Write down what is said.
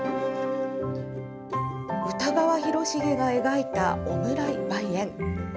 歌川広重が描いた小村井梅園。